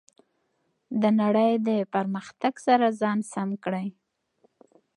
د نړۍ د پرمختګ سره ځان سم کړئ.